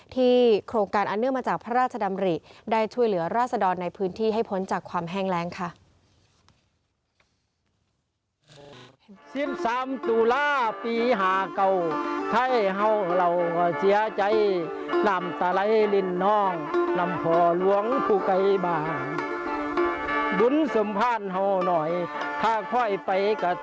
โครงการอันเนื่องมาจากพระราชดำริได้ช่วยเหลือราศดรในพื้นที่ให้พ้นจากความแห้งแรงค่ะ